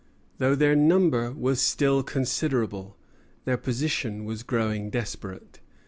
Though their number was still considerable, their position was growing desperate.